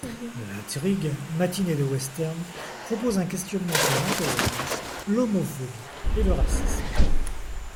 L'intrigue, mâtinée de western, propose un questionnement sur l'intolérance, l'homophobie et le racisme.